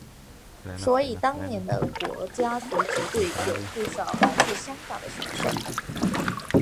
所以当年的国家足球队有不少来自香港的选手。